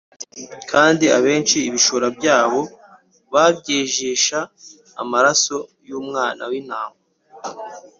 kandi bameshe ibishura byabo babyejesha amaraso y’Umwana w’Intama.